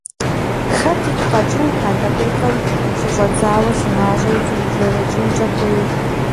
Хэт игу къэкӀынт а дакъикъэм щыщӀэдзауэ си гъащӀэм зиублэрэкӀынкӀэ хъуну…